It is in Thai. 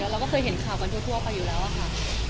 แล้วก็เคยเห็นข่าวบันทรย์ทั่วไปอยู่แล้วค่ะ